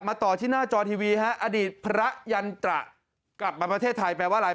ต่อที่หน้าจอทีวีฮะอดีตพระยันตระกลับมาประเทศไทยแปลว่าอะไร